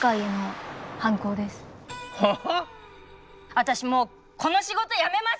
私もうこの仕事辞めます！